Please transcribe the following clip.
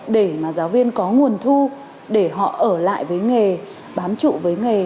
để mà giáo viên có nguồn thu để họ ở lại với nghề bám trụ với nghề